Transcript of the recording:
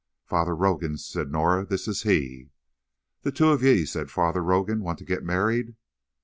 "Father Rogan," said Norah, "this is he." "The two of ye," said Father Rogan, "want to get married?"